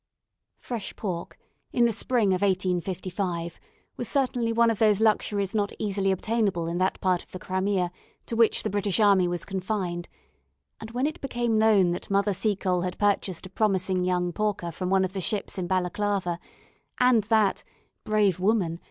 Fresh pork, in the spring of 1855, was certainly one of those luxuries not easily obtainable in that part of the Crimea to which the British army was confined, and when it became known that Mother Seacole had purchased a promising young porker from one of the ships in Balaclava, and that, brave woman!